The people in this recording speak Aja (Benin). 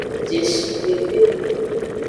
Jeshidede.